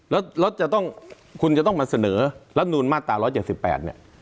แล้วแล้วจะต้องคุณจะต้องมาเสนอลัดนูนมาตราร้อยเจ็ดสิบแปดเนี้ย